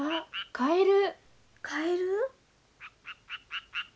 カエル？